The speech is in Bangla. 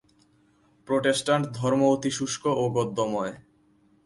প্রোটেস্টাণ্ট ধর্ম অতি শুষ্ক ও গদ্যময়।